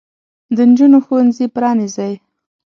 د نجونو ښوونځي پرانیزئ.